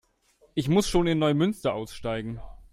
Ich muss schon in Neumünster aussteigen